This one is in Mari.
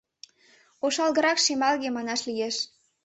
— Ошалгырак-шемалге, манаш лиеш.